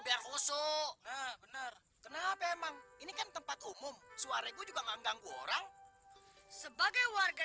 biar khusus bener kenapa emang ini kan tempat umum suara juga ngangganggu orang sebagai warga